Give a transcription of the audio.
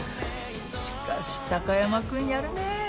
しかし貴山君やるね。